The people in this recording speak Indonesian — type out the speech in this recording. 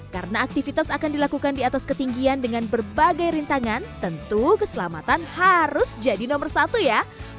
karena aktivitas akan dilakukan di atas ketinggian dengan berbagai rintangan tentu keselamatan harus jadi nomor satu ya